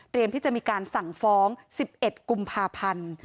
ที่จะมีการสั่งฟ้อง๑๑กุมภาพันธ์